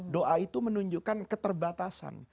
doa itu menunjukkan keterbatasan